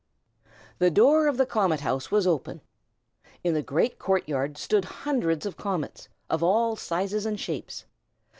The door of the Comet House was open. In the great court yard stood hundreds of comets, of all sizes and shapes.